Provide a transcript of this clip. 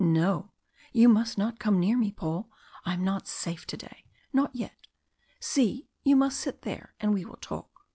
"No! you must not come near me, Paul. I am not safe to day. Not yet. See, you must sit there and we will talk."